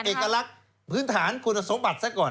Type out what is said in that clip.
จะได้ลองบอกเอกลักษณ์พื้นฐานคุณสมบัติซะก่อน